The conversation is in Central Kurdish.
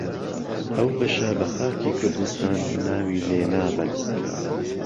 ئەو بەشە بە خاکی کوردستان ناوی لێنابەن